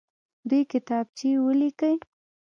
دوې کتابچې ولیکئ.